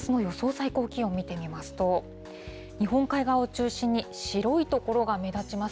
最高気温見てみますと、日本海側を中心に、白い所が目立ちます。